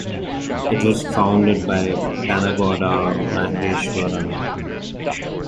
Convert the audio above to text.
It was founded by Panagoda Maheswaran.